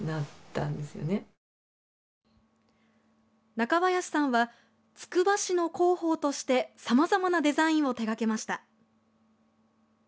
中林さんはつくば市の広報としてさまざまなデザインを手掛けました。